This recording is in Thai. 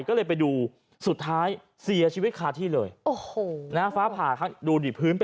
ก็เลยไปดูสุดท้ายเสียชีวิตคาที่เลย